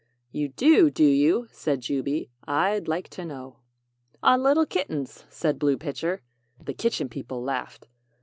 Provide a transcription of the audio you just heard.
"'You do, do you?' said Jubey. 'I'd like to know.' "'On little kittens!' said Blue Pitcher." The Kitchen People laughed.